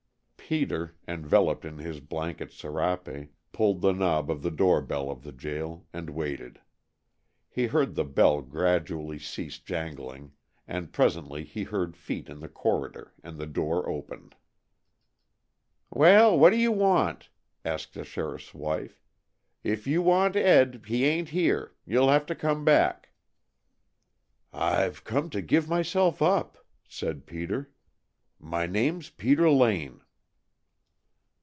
Peter, enveloped in his blanket serape, pulled the knob of the door bell of the jail and waited. He heard the bell gradually cease jangling, and presently he heard feet in the corridor, and the door opened. "Well, what do you want?" asked the sheriff's wife. "If you want Ed, he ain't here. You'll have to come back." "I've come to give myself up," said Peter. "My name's Peter Lane."